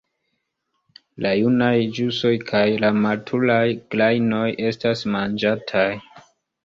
La junaj guŝoj kaj la maturaj grajnoj estas manĝataj.